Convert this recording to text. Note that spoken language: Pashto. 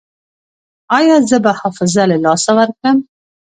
ایا زه به حافظه له لاسه ورکړم؟